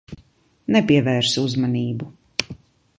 Nepievērs uzmanību.